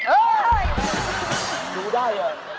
เฮ้ยดูได้เลย